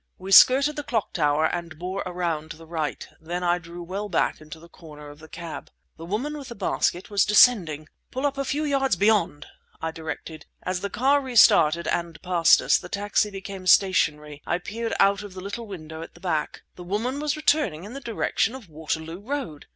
We skirted the clock tower, and bore around to the right. Then I drew well back in the corner of the cab. The woman with the basket was descending! "Pull up a few yards beyond!" I directed. As the car re started, and passed us, the taxi became stationary. I peered out of the little window at the back. The woman was returning in the direction of Waterloo Road!